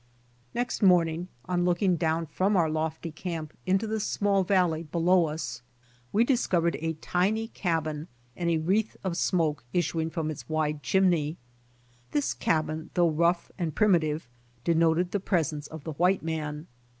Next morning on looking down from our lofty camp into the small valley below us, we discovered a tiny cabin and a wreath of smoke issuing from its wide chimney. This cabin, though rough and primitive, denoted the presence of the white man.